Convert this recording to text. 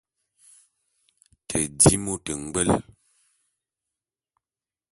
Te di môt ngbwe.